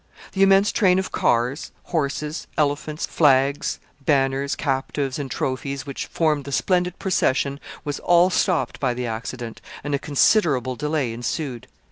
The immense train of cars, horses, elephants, flags, banners, captives, and trophies which formed the splendid procession was all stopped by the accident, and a considerable delay ensued.